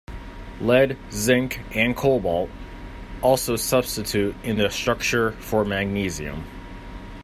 Lead, zinc, and cobalt also substitute in the structure for magnesium.